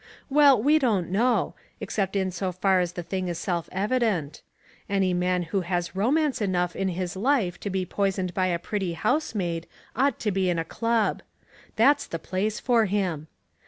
Well, we don't know, except in so far as the thing is self evident. Any man who has romance enough in his life to be poisoned by a pretty housemaid ought to be in a club. That's the place for him.